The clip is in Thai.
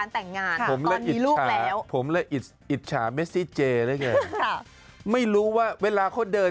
แต่งก็ได้ไม่แต่งก็ได้